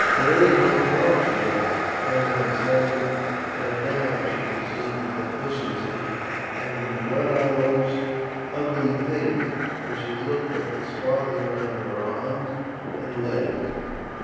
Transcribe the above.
"Where is my cloak," she asked, as on setting her down she perceived the deficiency; "and what are those ugly things?" and she looked at the swathing round her arms and legs.